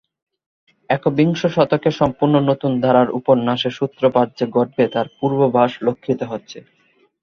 একবিংশ শতকে সম্পূর্ণ নতুন ধারার উপন্যাসের সূত্রপাত যে ঘটবে তার পূর্বাভাস লক্ষিত হচ্ছে।